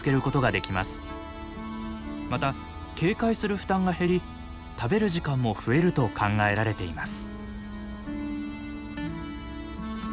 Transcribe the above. また警戒する負担が減り食べる時間も増えると考えられています。